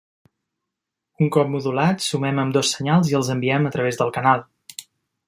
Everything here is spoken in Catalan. Un cop modulats sumem ambdós senyals i els enviem a través del canal.